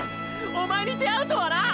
おまえに出会うとはな！！